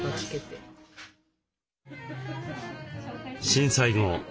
震災後